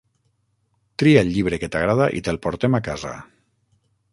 Tria el llibre que t'agrada i te'l portem a casa.